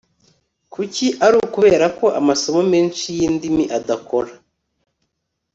Kuki ari ukubera ko amasomo menshi yindimi adakora